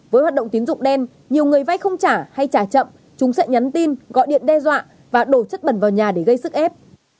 với hoạt động tín dụng đen nhiều người vay không trả hay trả chậm chúng sẽ nhắn tin gọi điện đe dọa và đổ chất bẩn vào nhà để gây sức ép